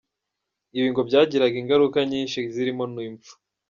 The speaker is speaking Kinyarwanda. Ibi ngo byagiraga ingaruka nyinshi zirimo n’impfu.